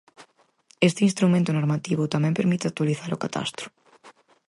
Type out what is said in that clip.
Este instrumento normativo tamén permite actualizar o catastro.